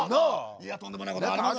いやとんでもないこともありますわな。